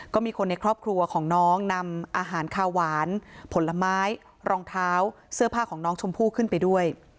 ก็มีคนในครอบครัวของน้องนำอาหารคาหวานผลไม้รองเท้าเสื้อผ้าของน้องชมพู่ขึ้นไปด้วย